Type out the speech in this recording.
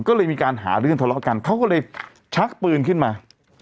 ก็เลยมีการหาเรื่องทะเลาะกันเขาก็เลยชักปืนขึ้นมา